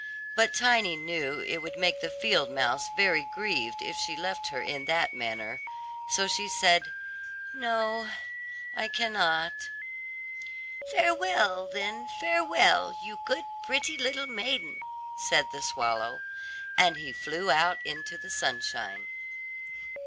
But Tiny knew it would make the field mouse very grieved if she left her in that manner, so she said, "No, I cannot." "Farewell, then, farewell, you good, pretty little maiden," said the swallow; and he flew out into the sunshine.